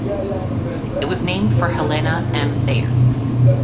It was named for Helena M. Thayer.